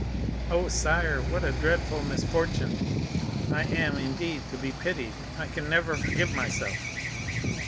"Oh, sire, what a dreadful misfortune! I am, indeed, to be pitied. I can never forgive myself!"